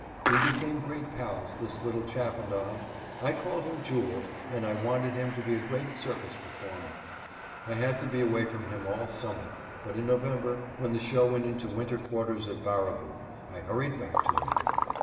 We became great pals, this little chap and I. I called him Jules, and I wanted him to be a great circus performer. I had to be away from him all summer, but in November, when the show went into winter quarters at Baraboo, I hurried back to him.